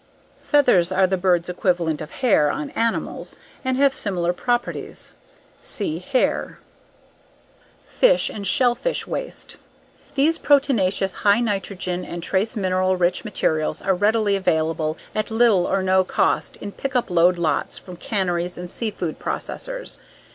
Feathers are the birds' equivalent of hair on animals and have similar properties. See Hair Fish and shellfish waste. These proteinaceous, high nitrogen and trace mineral rich materials are readily available at little or no cost in pickup load lots from canneries and sea food processors.